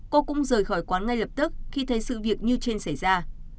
cô cũng rời khỏi quán ngay lập tức khi thấy sự việc như trên xảy ra